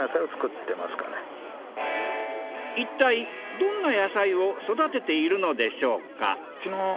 いったいどんな野菜を育てているのでしょうか？